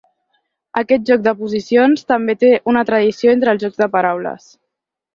Aquest joc d'oposicions també té una tradició entre els jocs de paraules.